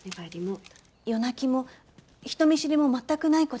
夜泣きも人見知りも全くない子でした。